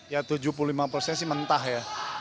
ya tujuh puluh lima persen sih mentah ya